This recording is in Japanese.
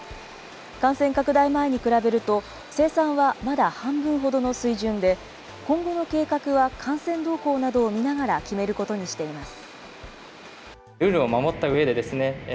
感染拡大前に比べると、生産はまだ半分ほどの水準で、今後の計画は感染動向などを見ながら決めることにしています。